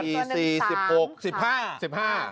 สี่สี่สามสิบห้าสิบห้า